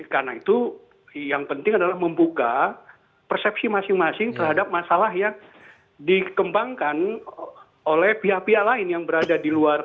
karena itu yang penting adalah membuka persepsi masing masing terhadap masalah yang dikembangkan oleh pihak pihak lain yang berada di luar